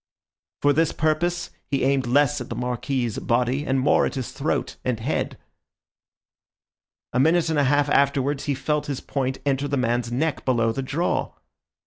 For this purpose, he aimed less at the Marquis's body, and more at his throat and head. A minute and a half afterwards he felt his point enter the man's neck below the jaw.